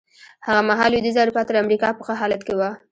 هغه مهال لوېدیځه اروپا تر امریکا په ښه حالت کې وه.